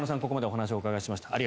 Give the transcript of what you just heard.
ここまでお話をお伺いしました。